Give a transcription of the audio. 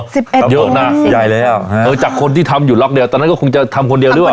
สิบเอ็ดคนโอ้ยใหญ่เลยอ่ะเออจากคนที่ทำอยู่ล็อกเดียวตอนนั้นก็คงจะทำคนเดียวด้วยอ่ะ